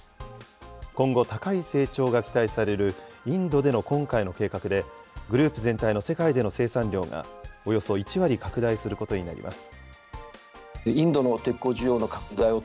今後、高い成長が期待されるインドでの今回の計画で、グループ全体の世界での生産量が、およそ１割拡大することになります。